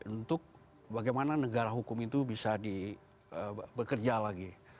untuk bagaimana negara hukum itu bisa bekerja lagi